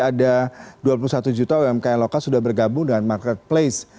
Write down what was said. ada dua puluh satu juta umkm lokal sudah bergabung dengan marketplace